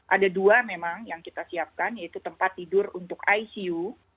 ada dua memang yang kita siapkan yaitu tempat tidur untuk icu